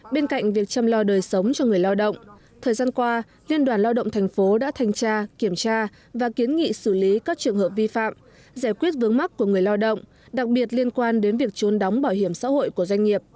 bên cạnh việc chăm lo đời sống cho người lao động thời gian qua liên đoàn lao động thành phố đã thanh tra kiểm tra và kiến nghị xử lý các trường hợp vi phạm giải quyết vướng mắc của người lao động đặc biệt liên quan đến việc trốn đóng bảo hiểm xã hội của doanh nghiệp